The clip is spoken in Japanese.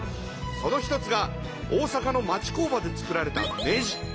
その一つが大阪の町工場で作られたネジ。